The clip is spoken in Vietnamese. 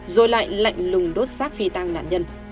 rồi lại lạnh lùng đốt xác phi tàng nạn nhân